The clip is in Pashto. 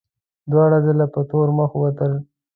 دواړه ځله په تور مخ ووتل.